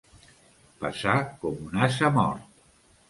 Pesar com un ase mort.